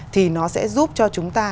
thì nó sẽ giúp cho chúng ta